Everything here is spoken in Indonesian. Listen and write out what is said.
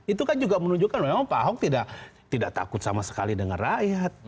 itu kan juga menunjukkan memang pak ahok tidak takut sama sekali dengan rakyat